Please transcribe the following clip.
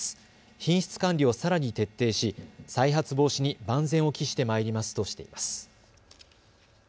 品質管理をさらに徹底し再発防止に万全を期してまいりますとしています。